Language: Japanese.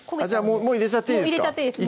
もう入れちゃっていいですか？